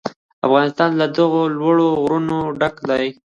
افغانستان له دغو لوړو غرونو ډک دی.